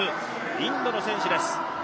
インドの選手です。